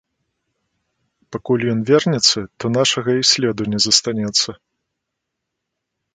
Пакуль ён вернецца, то нашага і следу не застанецца.